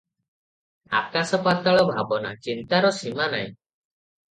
ଆକାଶ ପାତାଳ ଭାବନା, ଚିନ୍ତାର ସୀମା ନାହିଁ ।